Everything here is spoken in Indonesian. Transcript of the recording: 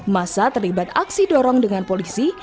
masa terlibat aksi dorong dengan polisi